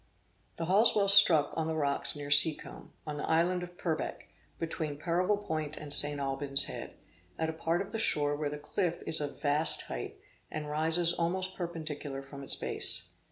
The Halsewell struck on the rocks near Seacombe, on the island of Purbeck, between Peverel Point and St. Alban's Head, at a part of the shore where the cliff is of vast height, and rises almost perpendicular from its base.